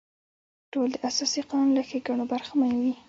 ټول د اساسي قانون له ښېګڼو برخمن وي.